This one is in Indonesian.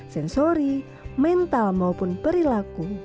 sensori mental maupun perilaku